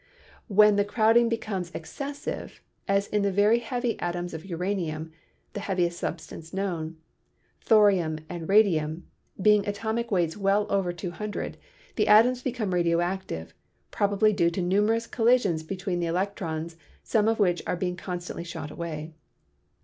When the crowding becomes excessive, as in the very heavy atoms of uranium (the heaviest substance known), thorium and radium, having atomic weights well over two hundred, the atoms become radio active, probably due to numerous collisions between the electrons, some of which are being constantly shot away."